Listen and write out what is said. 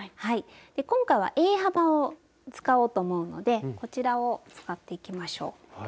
今回はＡ幅を使おうと思うのでこちらを使っていきましょう。